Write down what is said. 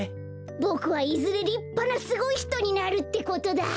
ボクはいずれりっぱなすごいひとになるってことだ！